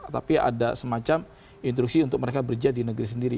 tapi ada semacam instruksi untuk mereka berjalan di negeri sendiri